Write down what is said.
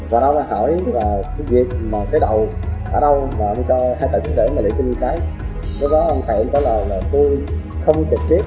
và ông ta hỏi là cái đậu ở đâu mà ông cho hai tài pháp để liệt trung như thế